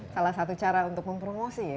salah satu cara untuk mempromosi ya